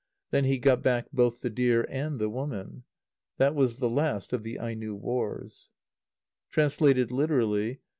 Then he got back both the deer and the woman. That was the last of the Aino wars. (Translated literally.